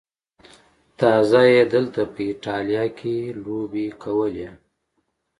تازه یې دلته په ایټالیا کې لوبې کولې.